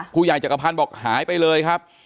ผู้ใหญ่จักรพรรณบอกหายไปเลยครับ